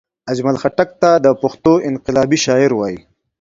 اجمل خټګ ته دا پښتو انقلابي شاعر وايي